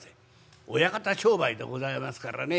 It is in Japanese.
親方商売でございますからね